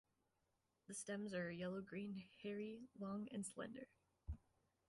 The stems are yellow-green, hairy, long, and slender.